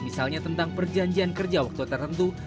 misalnya tentang perjanjian kerja waktu tertentu